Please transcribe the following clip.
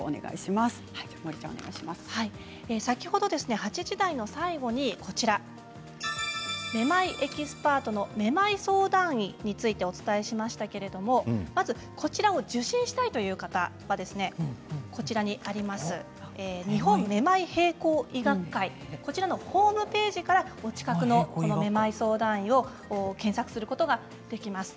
先ほど８時台の最後にめまいのエキスパートのめまい相談医についてお伝えしましたけれども受診したいという方は日本めまい平衡医学会のホームページからお近くのめまい相談医を検索することができます。